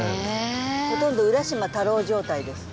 ほとんど浦島太郎状態です。